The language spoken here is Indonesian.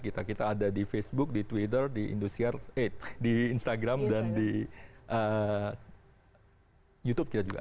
kita ada di facebook di twitter di instagram dan di youtube kita juga ada